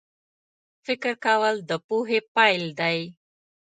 فکر کول د پوهې پیل دی